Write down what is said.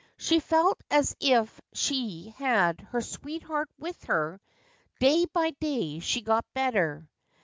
She felt as if she had her sweetheart with her. Day by day she got better.